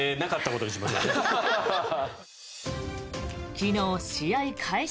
昨日、試合開始